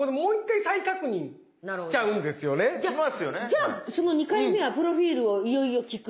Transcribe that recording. じゃあその２回目はプロフィールをいよいよ聞く？